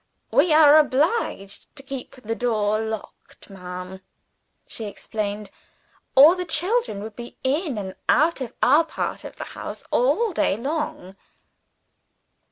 "We are obliged to keep the door locked, ma'am," she explained, "or the children would be in and out of our part of the house all day long."